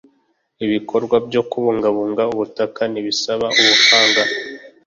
Ibikorwa byo kubungabunga ubutaka ntibisaba ubuhanga